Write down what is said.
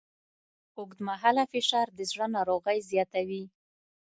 اوږدمهاله فشار د زړه ناروغۍ زیاتوي.